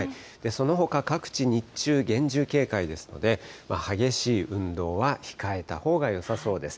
そのほか各地、日中厳重警戒ですので、激しい運動は控えたほうがよさそうです。